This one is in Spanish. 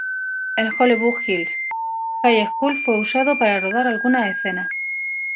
El Hollywood Hills High School fue usado para rodar algunas escenas.